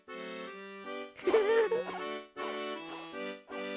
フフフフフ。